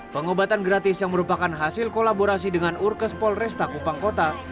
pengobatan gratis yang merupakan hasil kolaborasi dengan urkes polres takupangkota